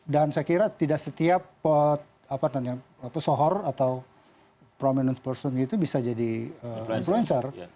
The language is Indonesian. dan saya kira tidak setiap sohor atau prominent person itu bisa jadi influencer